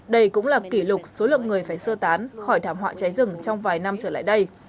đây cũng là kỷ lục số lượng người phải sơ tán khỏi thảm họa cháy rừng trong vài năm trở lại đây